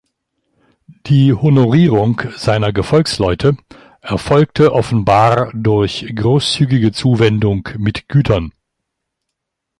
Die Honorierung seiner Gefolgsleute erfolgte offenbar durch großzügige Zuwendung mit Gütern.